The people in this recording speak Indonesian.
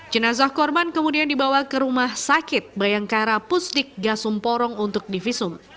jenazah korban kemudian dibawa ke rumah sakit bayangkara pusdik gasumporong untuk divisum